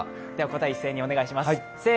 答えを一斉にお願いします。